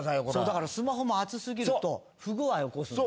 だからスマホも暑すぎると不具合起こすんですよ。